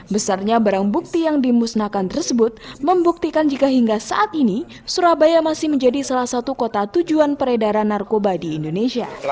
besarnya barang bukti yang dimusnahkan tersebut membuktikan jika hingga saat ini surabaya masih menjadi salah satu kota tujuan peredaran narkoba di indonesia